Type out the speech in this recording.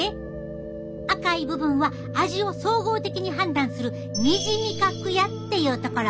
赤い部分は味を総合的に判断する二次味覚野っていうところ。